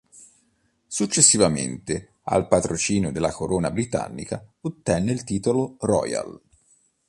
Successivamente al patrocinio della corona britannica ottenne il titolo "Royal".